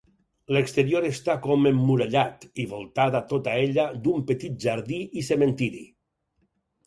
L'exterior està com emmurallat i voltada tota ella d'un petit jardí i cementiri.